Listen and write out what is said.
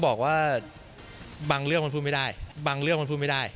บอกว่าบางเรื่องมันพูดไม่ได้บางเรื่องมันพูดไม่ได้